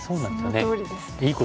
そのとおりです。